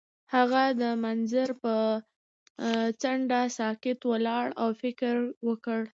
هغه د منظر پر څنډه ساکت ولاړ او فکر وکړ.